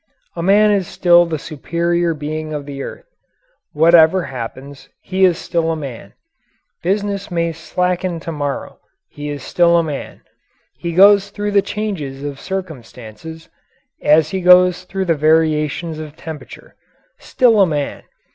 A man is still the superior being of the earth. Whatever happens, he is still a man. Business may slacken tomorrow he is still a man. He goes through the changes of circumstances, as he goes through the variations of temperature still a man.